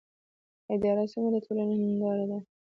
اداره څنګه د ټولنې هنداره ده؟